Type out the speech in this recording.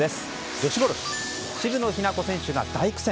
女子ゴルフ渋野日向子選手が大苦戦。